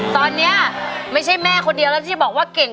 ตอนนี้ไม่ใช่แม่คนเดียวแล้วที่บอกว่าเก่ง